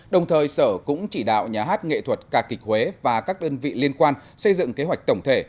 đồng thời sở cũng chỉ đạo nhà hát nghệ thuật ca kịch huế và các đơn vị liên quan xây dựng kế hoạch tổng thể